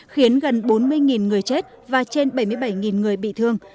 khiến gần bốn mươi người chết và trên bảy mươi bảy người bị thương